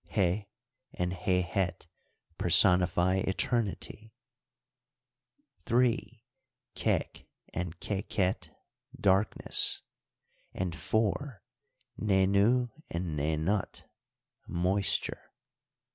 Heh and Hehet personify eternity; 3. Kek and Keket, darkness; and, 4. Nenu and Nenut, moisture.